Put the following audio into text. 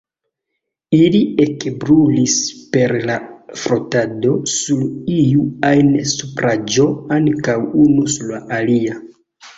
Ili ekbrulis per la frotado sur iu ajn supraĵo, ankaŭ unu sur la alia.